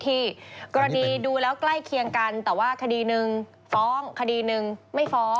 กรณีดูแล้วใกล้เคียงกันแต่ว่าคดีหนึ่งฟ้องคดีหนึ่งไม่ฟ้อง